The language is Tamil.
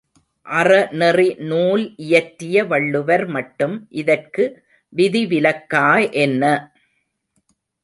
அறநெறி நூல் இயற்றிய வள்ளுவர் மட்டும் இதற்கு விதி விலக்கா என்ன!